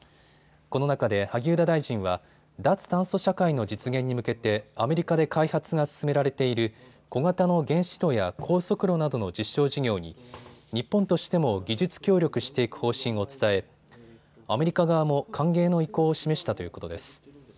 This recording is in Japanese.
この中で萩生田大臣は脱炭素社会の実現に向けてアメリカで開発が進められている小型の原子炉や高速炉などの実証事業に日本としても技術協力していく方針を伝えアメリカ側も歓迎の意向を示したということです。